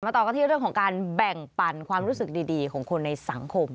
ต่อกันที่เรื่องของการแบ่งปันความรู้สึกดีของคนในสังคม